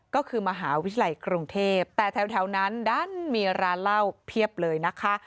ก็คือมหาวิทยาลัยกรุงเทพแต่แถวนั้นดันมีร้านเหล้าเพียบเลยนะคะ